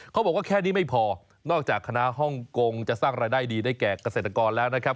เขาบอกว่าแค่นี้ไม่พอนอกจากคณะฮ่องกงจะสร้างรายได้ดีได้แก่เกษตรกรแล้วนะครับ